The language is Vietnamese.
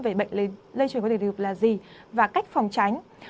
về bệnh lây truyền qua đường tình dục là gì và cách phòng tránh